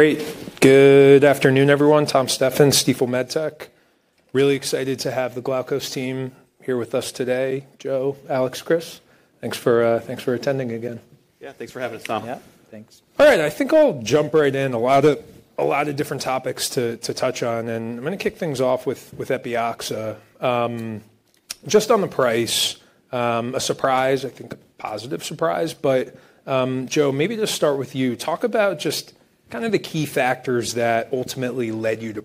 Great. Good afternoon, everyone. Tom Stefans, Stifel MedTech. Really excited to have the Glaukos team here with us today. Joe, Alex, Chris, thanks for attending again. Yeah, thanks for having us, Tom. Yeah, thanks. All right, I think I'll jump right in. A lot of different topics to touch on. I'm going to kick things off with Epioxa. Just on the price, a surprise, I think a positive surprise. Joe, maybe to start with you, talk about just kind of the key factors that ultimately led you to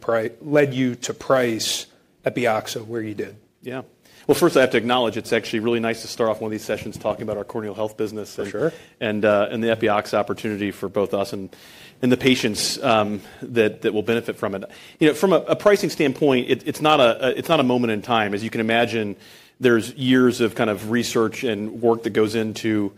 price Epioxa where you did. Yeah. First, I have to acknowledge it's actually really nice to start off one of these sessions talking about our corneal health business and the Epioxa opportunity for both us and the patients that will benefit from it. From a pricing standpoint, it's not a moment in time. As you can imagine, there's years of kind of research and work that goes into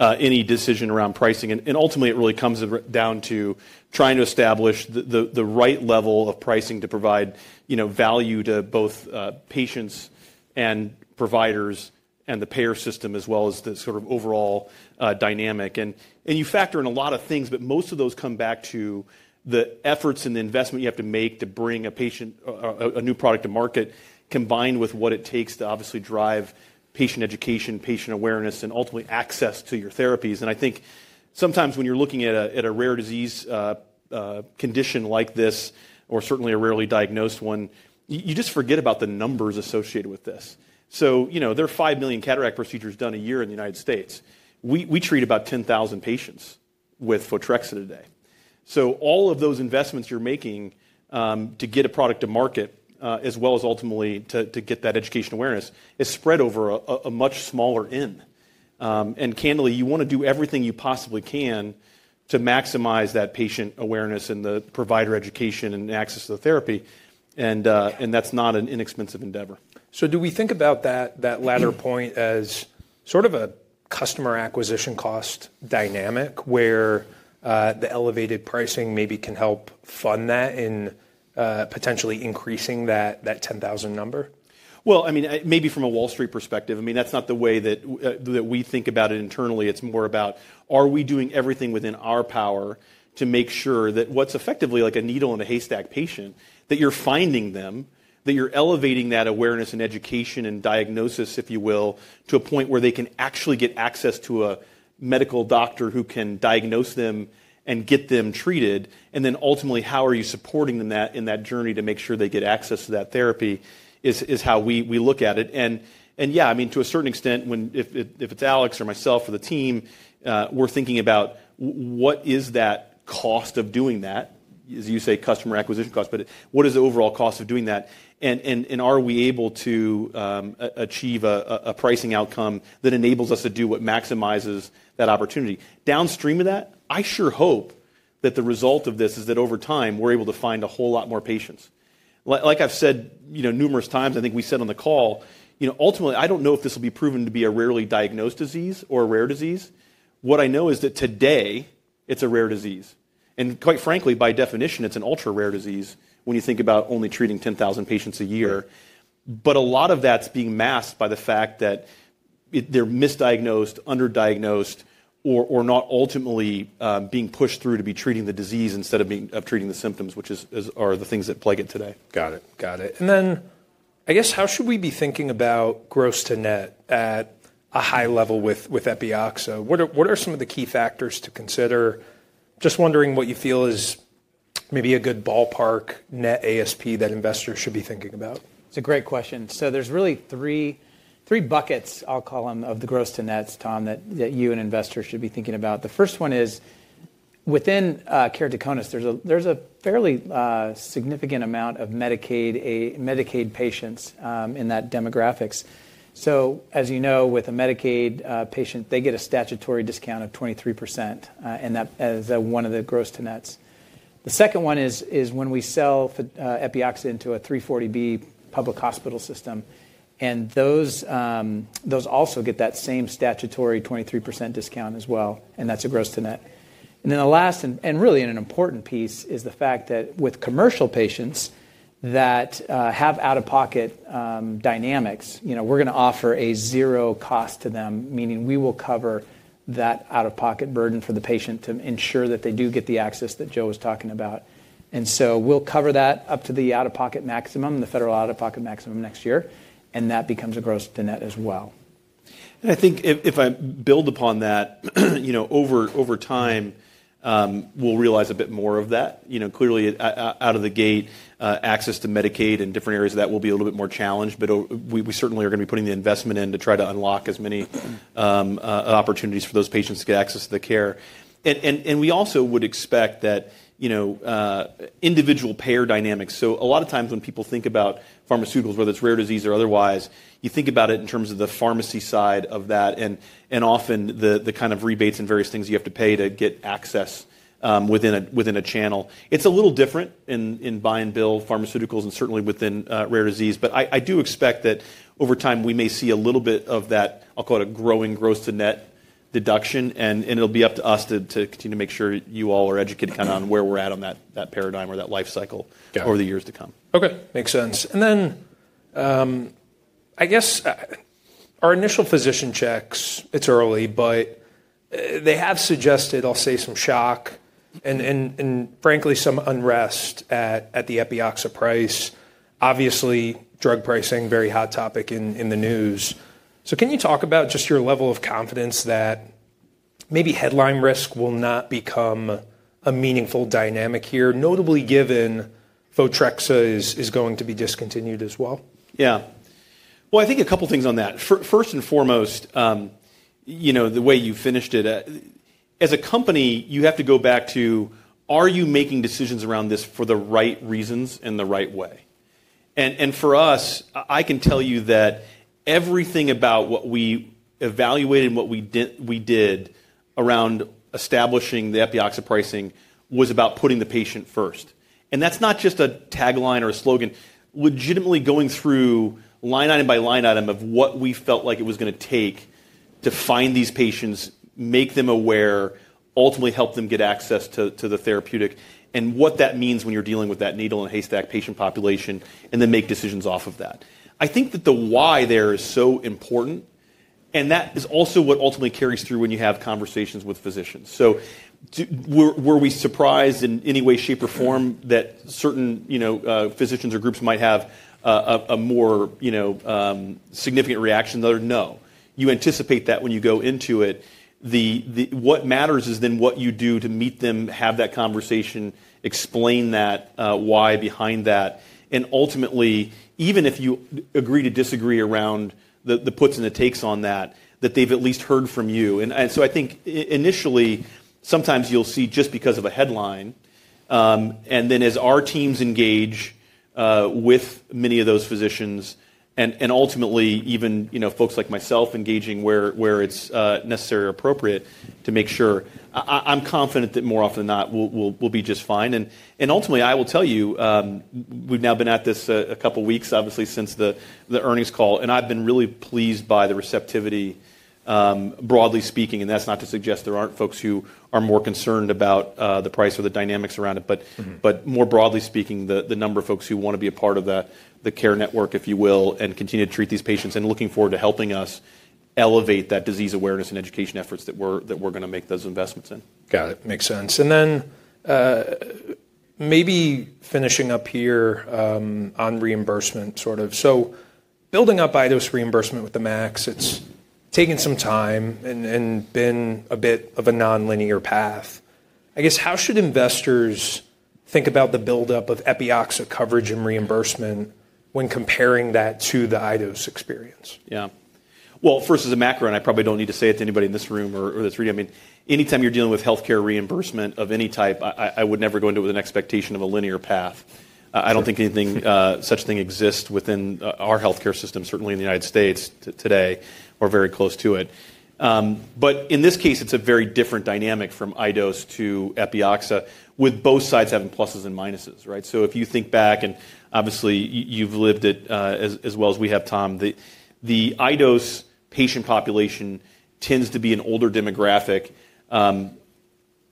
any decision around pricing. Ultimately, it really comes down to trying to establish the right level of pricing to provide value to both patients and providers and the payer system, as well as the sort of overall dynamic. You factor in a lot of things, but most of those come back to the efforts and the investment you have to make to bring a new product to market, combined with what it takes to obviously drive patient education, patient awareness, and ultimately access to your therapies. I think sometimes when you're looking at a rare disease condition like this, or certainly a rarely diagnosed one, you just forget about the numbers associated with this. There are 5 million cataract procedures done a year in the United States. We treat about 10,000 patients with Photrexa today. All of those investments you're making to get a product to market, as well as ultimately to get that education awareness, is spread over a much smaller end. Candidly, you want to do everything you possibly can to maximize that patient awareness and the provider education and access to the therapy. That is not an inexpensive endeavor. Do we think about that latter point as sort of a customer acquisition cost dynamic, where the elevated pricing maybe can help fund that in potentially increasing that 10,000 number? I mean, maybe from a Wall Street perspective, I mean, that's not the way that we think about it internally. It's more about, are we doing everything within our power to make sure that what's effectively like a needle in a haystack patient, that you're finding them, that you're elevating that awareness and education and diagnosis, if you will, to a point where they can actually get access to a medical doctor who can diagnose them and get them treated. And then ultimately, how are you supporting them in that journey to make sure they get access to that therapy is how we look at it. Yeah, I mean, to a certain extent, if it's Alex or myself or the team, we're thinking about what is that cost of doing that? As you say, customer acquisition cost, but what is the overall cost of doing that? Are we able to achieve a pricing outcome that enables us to do what maximizes that opportunity? Downstream of that, I sure hope that the result of this is that over time, we're able to find a whole lot more patients. Like I've said numerous times, I think we said on the call, ultimately, I don't know if this will be proven to be a rarely diagnosed disease or a rare disease. What I know is that today, it's a rare disease. Quite frankly, by definition, it's an ultra rare disease when you think about only treating 10,000 patients a year. A lot of that's being masked by the fact that they're misdiagnosed, underdiagnosed, or not ultimately being pushed through to be treating the disease instead of treating the symptoms, which are the things that plague it today. Got it. Got it. I guess how should we be thinking about gross to net at a high level with Epioxa? What are some of the key factors to consider? Just wondering what you feel is maybe a good ballpark net ASP that investors should be thinking about. It's a great question. There are really three buckets, I'll call them, of the gross to nets, Tom, that you and investors should be thinking about. The first one is within keratoconus, there's a fairly significant amount of Medicaid patients in that demographics. As you know, with a Medicaid patient, they get a statutory discount of 23% as one of the gross to nets. The second one is when we sell Epioxa into a 340B public hospital system. Those also get that same statutory 23% discount as well. That's a gross to net. The last, and really an important piece, is the fact that with commercial patients that have out-of-pocket dynamics, we're going to offer a zero cost to them, meaning we will cover that out-of-pocket burden for the patient to ensure that they do get the access that Joe was talking about. We'll cover that up to the out-of-pocket maximum, the federal out-of-pocket maximum next year. That becomes a gross to net as well. I think if I build upon that, over time, we'll realize a bit more of that. Clearly, out of the gate, access to Medicaid and different areas of that will be a little bit more challenged. We certainly are going to be putting the investment in to try to unlock as many opportunities for those patients to get access to the care. We also would expect that individual payer dynamics. A lot of times when people think about pharmaceuticals, whether it's rare disease or otherwise, you think about it in terms of the pharmacy side of that. Often the kind of rebates and various things you have to pay to get access within a channel. It's a little different in buy and bill pharmaceuticals and certainly within rare disease. I do expect that over time, we may see a little bit of that, I'll call it a growing gross to net deduction. It'll be up to us to continue to make sure you all are educated kind of on where we're at on that paradigm or that life cycle over the years to come. Okay. Makes sense. I guess our initial physician checks, it's early, but they have suggested, I'll say, some shock and frankly, some unrest at the Epioxa price. Obviously, drug pricing, very hot topic in the news. Can you talk about just your level of confidence that maybe headline risk will not become a meaningful dynamic here, notably given Photrexa is going to be discontinued as well? Yeah. I think a couple of things on that. First and foremost, the way you finished it, as a company, you have to go back to, are you making decisions around this for the right reasons and the right way? For us, I can tell you that everything about what we evaluated and what we did around establishing the Epioxa pricing was about putting the patient first. That's not just a tagline or a slogan. Legitimately going through line item by line item of what we felt like it was going to take to find these patients, make them aware, ultimately help them get access to the therapeutic, and what that means when you're dealing with that needle in a haystack patient population, and then make decisions off of that. I think that the why there is so important. That is also what ultimately carries through when you have conversations with physicians. Were we surprised in any way, shape, or form that certain physicians or groups might have a more significant reaction than others? No. You anticipate that when you go into it. What matters is then what you do to meet them, have that conversation, explain that why behind that. Ultimately, even if you agree to disagree around the puts and the takes on that, that they have at least heard from you. I think initially, sometimes you will see just because of a headline. As our teams engage with many of those physicians, and ultimately even folks like myself engaging where it is necessary or appropriate to make sure, I am confident that more often than not, we will be just fine. Ultimately, I will tell you, we've now been at this a couple of weeks, obviously, since the earnings call. I have been really pleased by the receptivity, broadly speaking. That is not to suggest there are not folks who are more concerned about the price or the dynamics around it. More broadly speaking, the number of folks who want to be a part of the care network, if you will, and continue to treat these patients, and looking forward to helping us elevate that disease awareness and education efforts that we are going to make those investments in. Got it. Makes sense. And then maybe finishing up here on reimbursement, sort of. So building up iDose reimbursement with the MACs, it's taken some time and been a bit of a non-linear path. I guess how should investors think about the buildup of Epioxa coverage and reimbursement when comparing that to the iDose experience? Yeah. First, as a macro, and I probably do not need to say it to anybody in this room or the 3D, I mean, anytime you are dealing with healthcare reimbursement of any type, I would never go into it with an expectation of a linear path. I do not think such a thing exists within our healthcare system, certainly in the United States today, or very close to it. In this case, it is a very different dynamic from iDose to Epioxa, with both sides having pluses and minuses, right? If you think back, and obviously, you have lived it as well as we have, Tom, the iDose patient population tends to be an older demographic,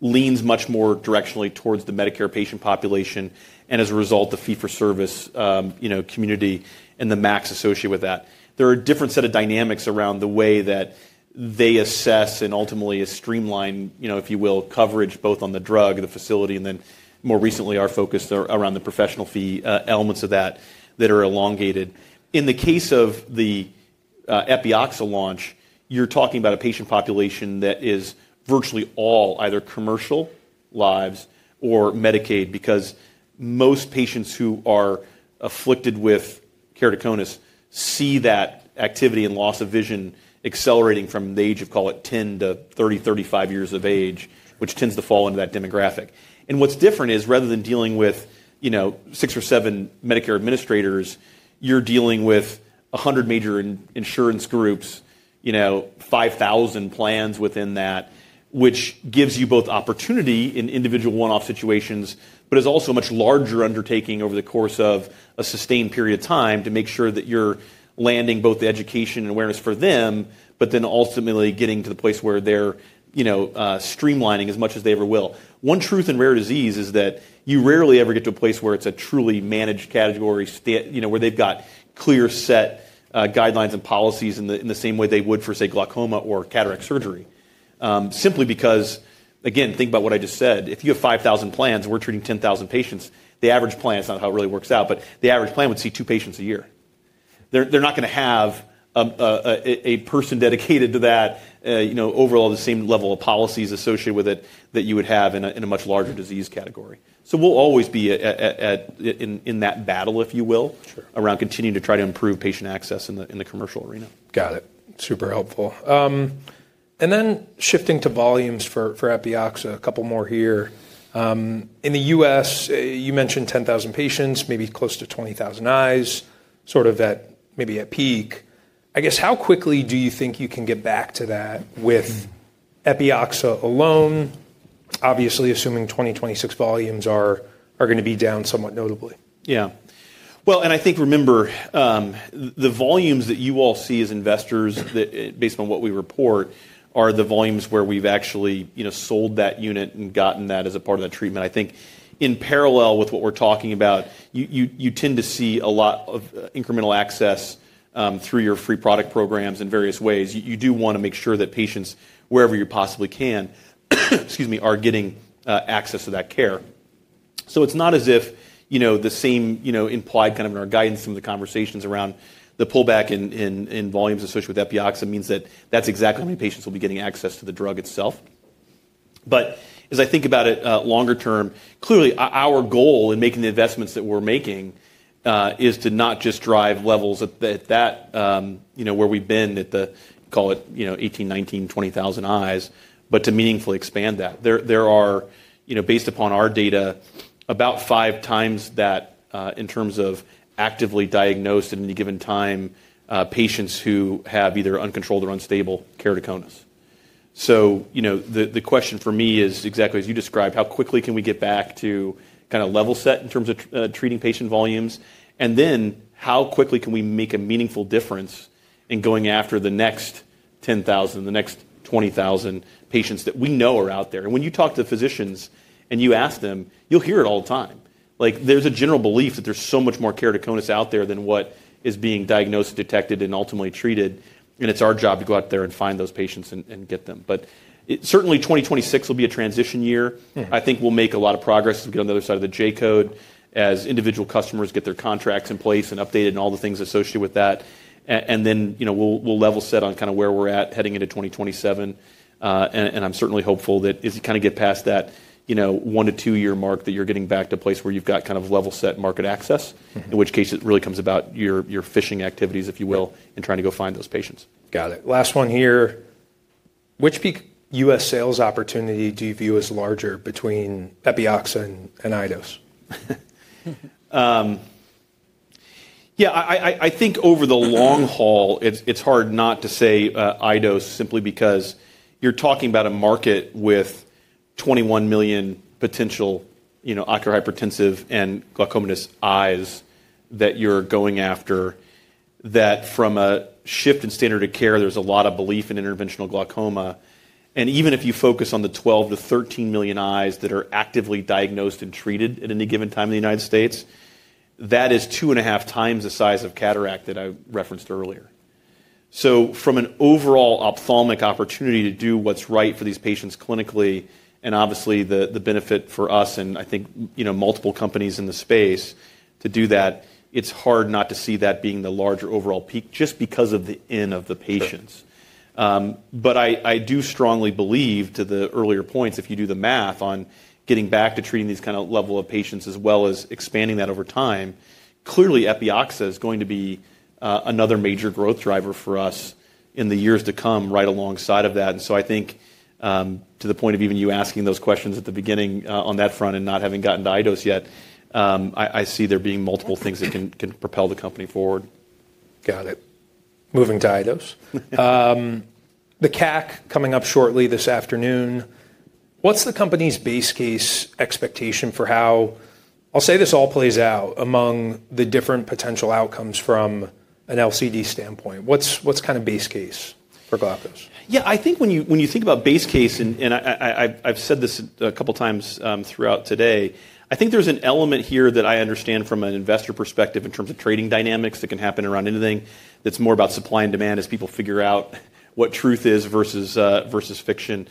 leans much more directionally towards the Medicare patient population. As a result, the fee-for-service community and the MACs associated with that. There are a different set of dynamics around the way that they assess and ultimately streamline, if you will, coverage both on the drug, the facility, and then more recently, our focus around the professional fee elements of that that are elongated. In the case of the Epioxa launch, you're talking about a patient population that is virtually all either commercial lives or Medicaid, because most patients who are afflicted with keratoconus see that activity and loss of vision accelerating from the age of, call it, 10 to 30, 35 years of age, which tends to fall into that demographic. What's different is rather than dealing with six or seven Medicare administrators, you're dealing with 100 major insurance groups, 5,000 plans within that, which gives you both opportunity in individual one-off situations, but is also a much larger undertaking over the course of a sustained period of time to make sure that you're landing both the education and awareness for them, but then ultimately getting to the place where they're streamlining as much as they ever will. One truth in rare disease is that you rarely ever get to a place where it's a truly managed category, where they've got clear set guidelines and policies in the same way they would for, say, glaucoma or cataract surgery. Simply because, again, think about what I just said. If you have 5,000 plans, we're treating 10,000 patients. The average plan, it's not how it really works out, but the average plan would see two patients a year. They're not going to have a person dedicated to that, overall, the same level of policies associated with it that you would have in a much larger disease category. We'll always be in that battle, if you will, around continuing to try to improve patient access in the commercial arena. Got it. Super helpful. Then shifting to volumes for Epioxa, a couple more here. In the U.S., you mentioned 10,000 patients, maybe close to 20,000 eyes, sort of at maybe at peak. I guess how quickly do you think you can get back to that with Epioxa alone, obviously assuming 2026 volumes are going to be down somewhat notably? Yeah. I think remember, the volumes that you all see as investors, based on what we report, are the volumes where we've actually sold that unit and gotten that as a part of that treatment. I think in parallel with what we're talking about, you tend to see a lot of incremental access through your free product programs in various ways. You do want to make sure that patients, wherever you possibly can, excuse me, are getting access to that care. It's not as if the same implied kind of in our guidance, some of the conversations around the pullback in volumes associated with Epioxa means that that's exactly how many patients will be getting access to the drug itself. As I think about it longer term, clearly, our goal in making the investments that we're making is to not just drive levels at that where we've been at the, call it, 18,000, 19,000, 20,000 eyes, but to meaningfully expand that. There are, based upon our data, about 5x that in terms of actively diagnosed at any given time, patients who have either uncontrolled or unstable keratoconus. The question for me is exactly as you described, how quickly can we get back to kind of level set in terms of treating patient volumes? And then how quickly can we make a meaningful difference in going after the next 10,000, the next 20,000 patients that we know are out there? When you talk to the physicians and you ask them, you'll hear it all the time. There's a general belief that there's so much more keratoconus out there than what is being diagnosed, detected, and ultimately treated. It's our job to go out there and find those patients and get them. Certainly, 2026 will be a transition year. I think we'll make a lot of progress. We'll get on the other side of the J code as individual customers get their contracts in place and updated and all the things associated with that. We'll level set on kind of where we're at heading into 2027. I'm certainly hopeful that as you kind of get past that one to two-year mark that you're getting back to a place where you've got kind of level set market access, in which case it really comes about your fishing activities, if you will, and trying to go find those patients. Got it. Last one here. Which peak U.S. sales opportunity do you view as larger between Epioxa and iDose? Yeah. I think over the long haul, it's hard not to say iDose simply because you're talking about a market with 21 million potential ocular hypertensive and glaucomatous eyes that you're going after, that from a shift in standard of care, there's a lot of belief in interventional glaucoma. And even if you focus on the 12 million-13 million eyes that are actively diagnosed and treated at any given time in the United States, that is 2.5x the size of cataract that I referenced earlier. From an overall ophthalmic opportunity to do what's right for these patients clinically, and obviously the benefit for us and I think multiple companies in the space to do that, it's hard not to see that being the larger overall peak just because of the in of the patients. I do strongly believe to the earlier points, if you do the math on getting back to treating these kind of level of patients as well as expanding that over time, clearly Epioxa is going to be another major growth driver for us in the years to come right alongside of that. I think to the point of even you asking those questions at the beginning on that front and not having gotten to iDose yet, I see there being multiple things that can propel the company forward. Got it. Moving to iDose. The CAC coming up shortly this afternoon. What's the company's base case expectation for how, I'll say this all plays out among the different potential outcomes from an LCD standpoint? What's kind of base case for Glaukos? Yeah. I think when you think about base case, and I've said this a couple of times throughout today, I think there's an element here that I understand from an investor perspective in terms of trading dynamics that can happen around anything that's more about supply and demand as people figure out what truth is versus fiction.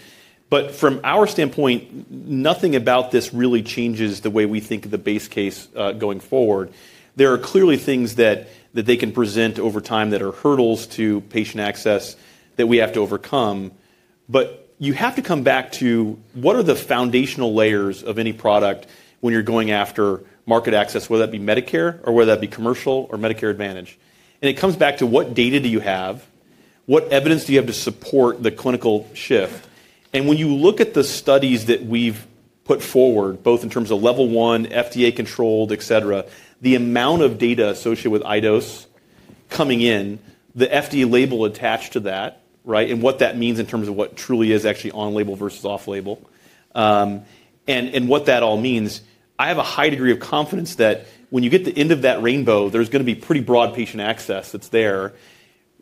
From our standpoint, nothing about this really changes the way we think of the base case going forward. There are clearly things that they can present over time that are hurdles to patient access that we have to overcome. You have to come back to what are the foundational layers of any product when you're going after market access, whether that be Medicare or whether that be commercial or Medicare Advantage. It comes back to what data do you have? What evidence do you have to support the clinical shift? When you look at the studies that we've put forward, both in terms of level one, FDA controlled, et cetera, the amount of data associated with iDose coming in, the FDA label attached to that, right, and what that means in terms of what truly is actually on label versus off label, and what that all means, I have a high degree of confidence that when you get to the end of that rainbow, there's going to be pretty broad patient access that's there.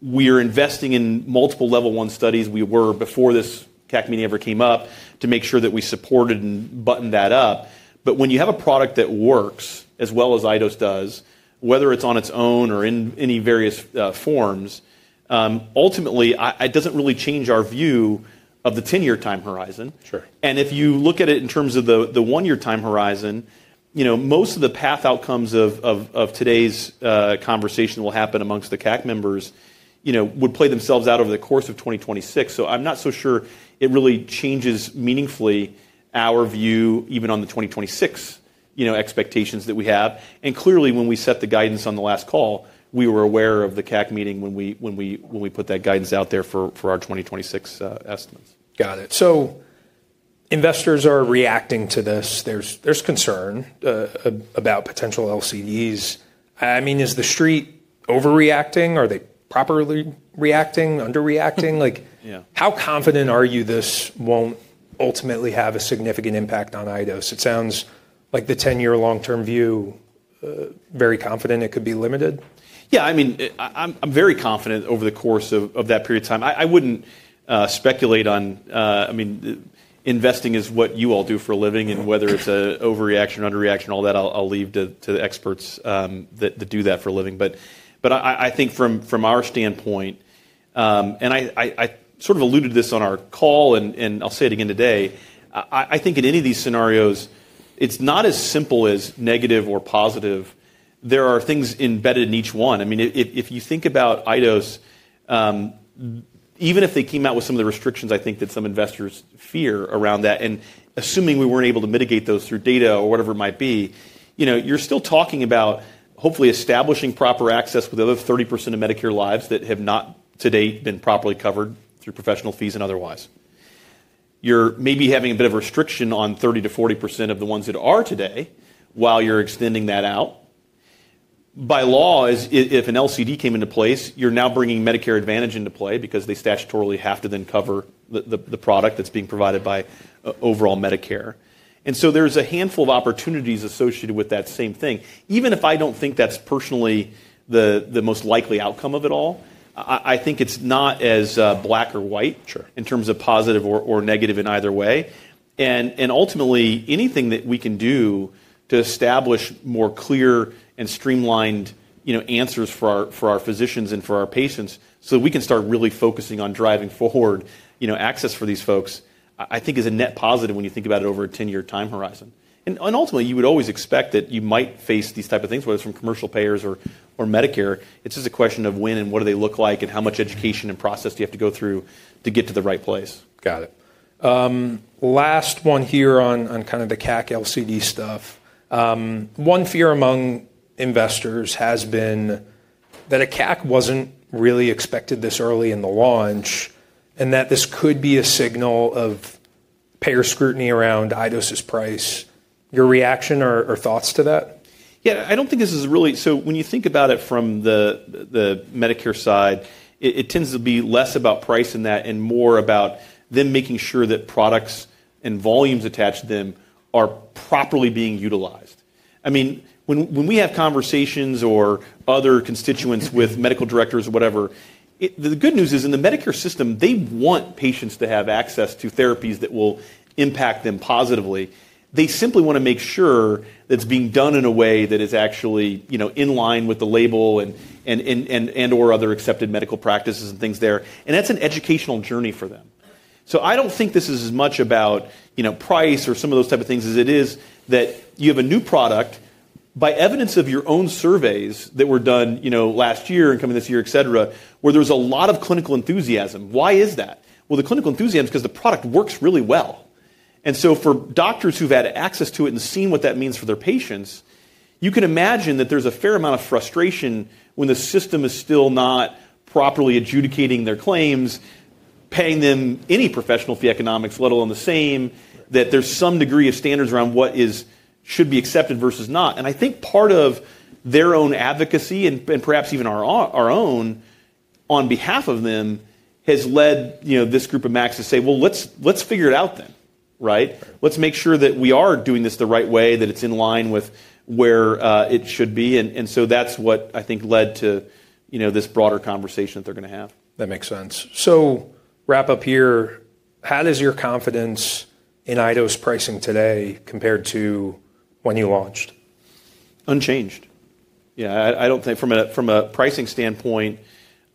We are investing in multiple level one studies we were before this CAC mini ever came up to make sure that we supported and buttoned that up. When you have a product that works as well as iDose does, whether it's on its own or in any various forms, ultimately, it doesn't really change our view of the 10-year time horizon. If you look at it in terms of the one-year time horizon, most of the path outcomes of today's conversation will happen amongst the CAC members and would play themselves out over the course of 2026. I am not so sure it really changes meaningfully our view, even on the 2026 expectations that we have. Clearly, when we set the guidance on the last call, we were aware of the CAC meeting when we put that guidance out there for our 2026 estimates. Got it. So investors are reacting to this. There's concern about potential LCDs. I mean, is the street overreacting? Are they properly reacting, underreacting? How confident are you this won't ultimately have a significant impact on iDose? It sounds like the 10-year long-term view, very confident it could be limited. Yeah. I mean, I'm very confident over the course of that period of time. I wouldn't speculate on, I mean, investing is what you all do for a living, and whether it's an overreaction, underreaction, all that, I'll leave to the experts that do that for a living. I think from our standpoint, and I sort of alluded to this on our call, and I'll say it again today, I think in any of these scenarios, it's not as simple as negative or positive. There are things embedded in each one. I mean, if you think about iDose, even if they came out with some of the restrictions, I think that some investors fear around that. Assuming we were not able to mitigate those through data or whatever it might be, you are still talking about hopefully establishing proper access with the other 30% of Medicare lives that have not to date been properly covered through professional fees and otherwise. You are maybe having a bit of a restriction on 30%-40% of the ones that are today while you are extending that out. By law, if an LCD came into place, you are now bringing Medicare Advantage into play because they statutorily have to then cover the product that is being provided by overall Medicare. There is a handful of opportunities associated with that same thing. Even if I do not think that is personally the most likely outcome of it all, I think it is not as black or white in terms of positive or negative in either way. Ultimately, anything that we can do to establish more clear and streamlined answers for our physicians and for our patients so that we can start really focusing on driving forward access for these folks, I think is a net positive when you think about it over a 10-year time horizon. Ultimately, you would always expect that you might face these types of things, whether it's from commercial payers or Medicare. It's just a question of when and what do they look like and how much education and process do you have to go through to get to the right place. Got it. Last one here on kind of the CAC LCD stuff. One fear among investors has been that a CAC was not really expected this early in the launch and that this could be a signal of payer scrutiny around iDose's price. Your reaction or thoughts to that? Yeah. I do not think this is really, so when you think about it from the Medicare side, it tends to be less about price than that and more about them making sure that products and volumes attached to them are properly being utilized. I mean, when we have conversations or other constituents with medical directors or whatever, the good news is in the Medicare system, they want patients to have access to therapies that will impact them positively. They simply want to make sure that it is being done in a way that is actually in line with the label and/or other accepted medical practices and things there. That is an educational journey for them. I don't think this is as much about price or some of those types of things as it is that you have a new product by evidence of your own surveys that were done last year and coming this year, et cetera, where there was a lot of clinical enthusiasm. Why is that? The clinical enthusiasm is because the product works really well. For doctors who've had access to it and seen what that means for their patients, you can imagine that there's a fair amount of frustration when the system is still not properly adjudicating their claims, paying them any professional fee economics let alone the same, that there's some degree of standards around what should be accepted versus not. I think part of their own advocacy and perhaps even our own on behalf of them has led this group of MACs to say, well, let's figure it out then, right? Let's make sure that we are doing this the right way, that it's in line with where it should be. That is what I think led to this broader conversation that they're going to have. That makes sense. To wrap up here, how does your confidence in iDose pricing today compare to when you launched? Unchanged. Yeah. I do not think from a pricing standpoint,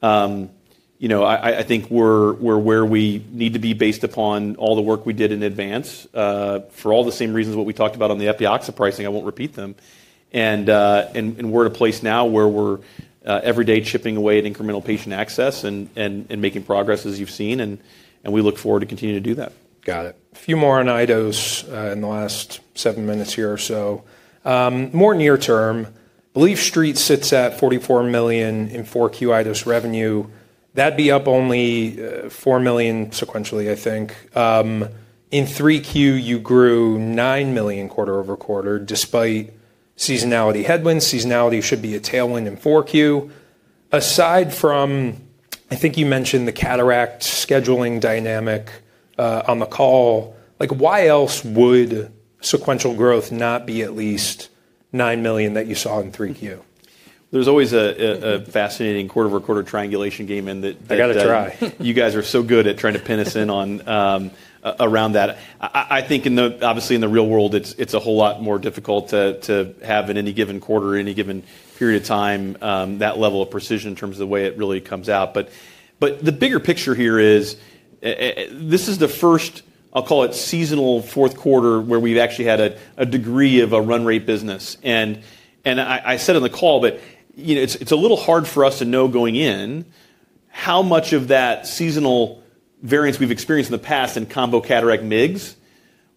I think we are where we need to be based upon all the work we did in advance for all the same reasons what we talked about on the Epioxa pricing. I will not repeat them. We are at a place now where we are every day chipping away at incremental patient access and making progress as you have seen. We look forward to continuing to do that. Got it. A few more on iDose in the last seven minutes here or so. More near term, belief street sits at $44 million in 4Q iDose revenue. That'd be up only $4 million sequentially, I think. In 3Q, you grew $9 million quarter-over-quarter despite seasonality headwinds. Seasonality should be a tailwind in 4Q. Aside from, I think you mentioned the cataract scheduling dynamic on the call, why else would sequential growth not be at least $9 million that you saw in 3Q? There's always a fascinating quarter over quarter triangulation game in that. I got to try. You guys are so good at trying to pin us in on around that. I think obviously in the real world, it's a whole lot more difficult to have in any given quarter or any given period of time that level of precision in terms of the way it really comes out. The bigger picture here is this is the first, I'll call it seasonal fourth quarter where we've actually had a degree of a run rate business. I said on the call that it's a little hard for us to know going in how much of that seasonal variance we've experienced in the past in combo cataract MIGS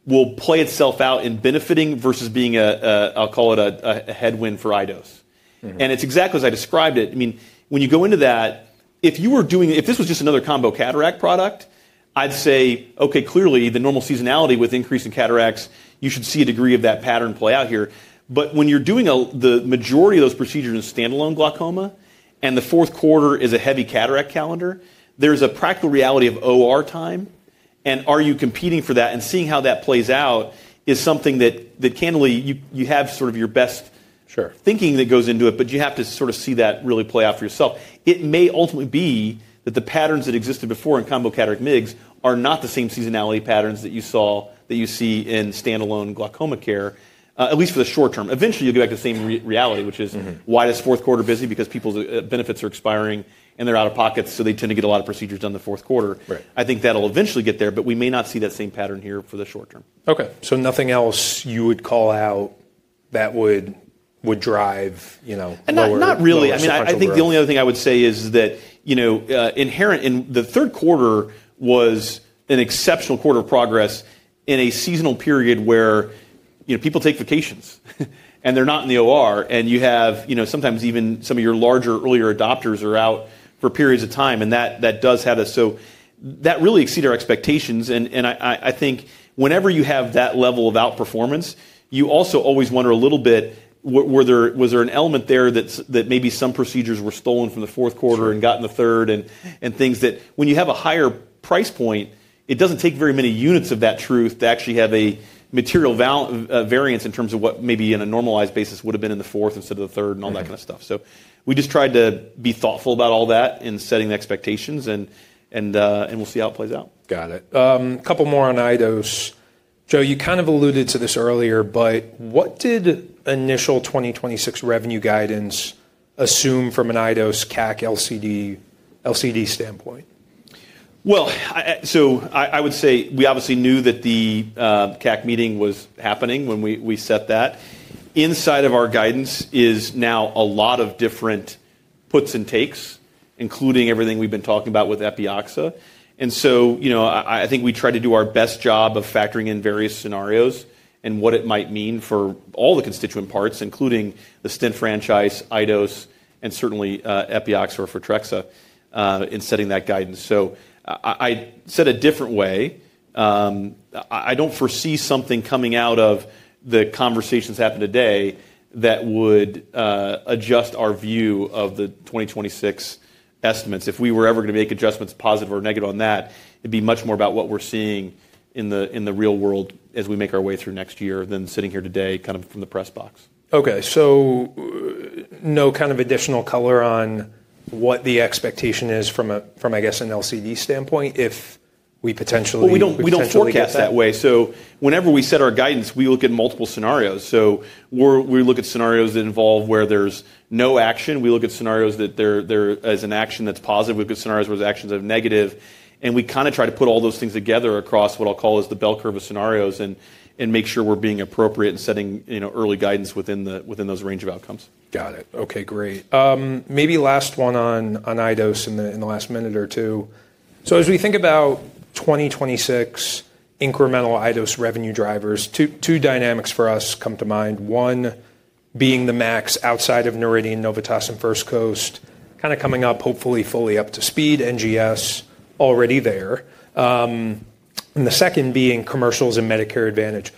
will play itself out in benefiting versus being, I'll call it a headwind for iDose. It's exactly as I described it. I mean, when you go into that, if you were doing, if this was just another combo cataract product, I'd say, okay, clearly the normal seasonality with increasing cataracts, you should see a degree of that pattern play out here. When you're doing the majority of those procedures in standalone glaucoma and the fourth quarter is a heavy cataract calendar, there's a practical reality of OR time. Are you competing for that? Seeing how that plays out is something that, candidly, you have sort of your best thinking that goes into it, but you have to sort of see that really play out for yourself. It may ultimately be that the patterns that existed before in combo cataract MIGS are not the same seasonality patterns that you saw, that you see in standalone glaucoma care, at least for the short term. Eventually, you'll get back to the same reality, which is why this fourth quarter is busy because people's benefits are expiring and they're out of pockets, so they tend to get a lot of procedures done the fourth quarter. I think that'll eventually get there, but we may not see that same pattern here for the short term. Okay. So nothing else you would call out that would drive lower? Not really. I mean, I think the only other thing I would say is that inherent in the third quarter was an exceptional quarter of progress in a seasonal period where people take vacations and they're not in the OR and you have sometimes even some of your larger earlier adopters are out for periods of time and that does have a, so that really exceeded our expectations. I think whenever you have that level of outperformance, you also always wonder a little bit, was there an element there that maybe some procedures were stolen from the fourth quarter and got in the third and things that when you have a higher price point, it does not take very many units of that truth to actually have a material variance in terms of what maybe on a normalized basis would have been in the fourth instead of the third and all that kind of stuff. We just tried to be thoughtful about all that in setting expectations and we will see how it plays out. Got it. A couple more on iDose. Joe, you kind of alluded to this earlier, but what did initial 2026 revenue guidance assume from an iDose CAC LCD standpoint? I would say we obviously knew that the CAC meeting was happening when we set that. Inside of our guidance is now a lot of different puts and takes, including everything we've been talking about with Epioxa. I think we tried to do our best job of factoring in various scenarios and what it might mean for all the constituent parts, including the Stent franchise, iDose, and certainly Epioxa or Photrexa in setting that guidance. I said a different way, I don't foresee something coming out of the conversations happened today that would adjust our view of the 2026 estimates. If we were ever going to make adjustments positive or negative on that, it'd be much more about what we're seeing in the real world as we make our way through next year than sitting here today kind of from the press box. Okay. So no kind of additional color on what the expectation is from, I guess, an LCD standpoint if we potentially. We don't forecast that way. Whenever we set our guidance, we look at multiple scenarios. We look at scenarios that involve where there's no action. We look at scenarios that there is an action that's positive. We look at scenarios where the actions are negative. We kind of try to put all those things together across what I'll call as the bell curve of scenarios and make sure we're being appropriate and setting early guidance within those range of outcomes. Got it. Okay. Great. Maybe last one on iDose in the last minute or two. As we think about 2026 incremental iDose revenue drivers, two dynamics for us come to mind. One being the MACs outside of Noridian, Novitas, and First Coast kind of coming up hopefully fully up to speed, NGS already there. The second being commercials and Medicare Advantage.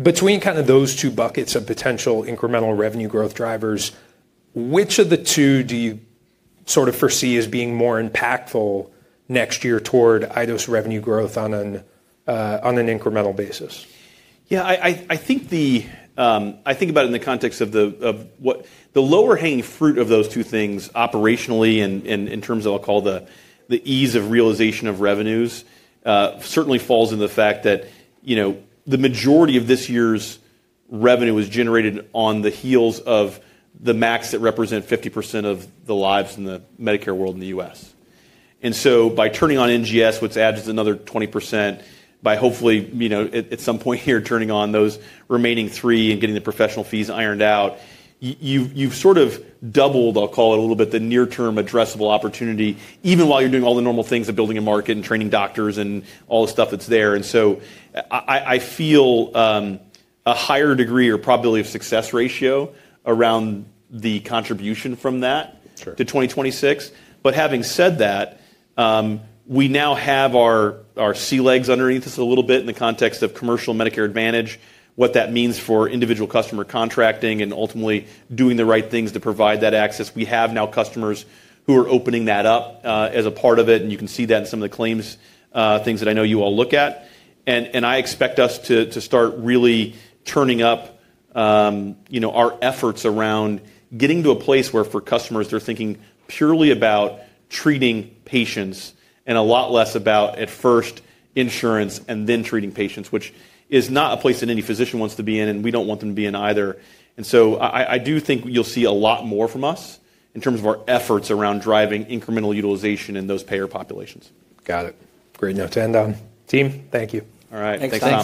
Between kind of those two buckets of potential incremental revenue growth drivers, which of the two do you sort of foresee as being more impactful next year toward iDose revenue growth on an incremental basis? Yeah. I think about it in the context of the lower hanging fruit of those two things operationally and in terms of, I'll call the ease of realization of revenues, certainly falls in the fact that the majority of this year's revenue was generated on the heels of the MACs that represent 50% of the lives in the Medicare world in the U.S. By turning on NGS, which adds another 20%, by hopefully at some point here turning on those remaining three and getting the professional fees ironed out, you've sort of doubled, I'll call it a little bit, the near-term addressable opportunity even while you're doing all the normal things of building a market and training doctors and all the stuff that's there. I feel a higher degree or probability of success ratio around the contribution from that to 2026. Having said that, we now have our sea legs underneath us a little bit in the context of commercial Medicare Advantage, what that means for individual customer contracting and ultimately doing the right things to provide that access. We have now customers who are opening that up as a part of it. You can see that in some of the claims things that I know you all look at. I expect us to start really turning up our efforts around getting to a place where for customers they're thinking purely about treating patients and a lot less about at first insurance and then treating patients, which is not a place that any physician wants to be in and we do not want them to be in either. I do think you'll see a lot more from us in terms of our efforts around driving incremental utilization in those payer populations. Got it. Great note. And team, thank you. All right. Thanks.